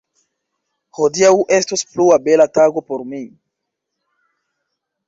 Hodiaŭ estos plua bela tago por mi.